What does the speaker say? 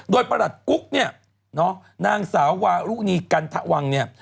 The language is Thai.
โดยประหลัดกุ๊กเนี่ยเนาะนางสาววารุณีกันทะวังเนี่ย